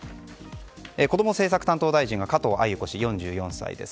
こども政策担当大臣が加藤鮎子氏、４４歳です。